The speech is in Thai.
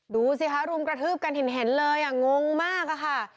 ดูสิคะรุมกระทืบกันเห็นเลยงงมากอะค่ะ